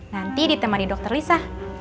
nanti ditemani dokter lisa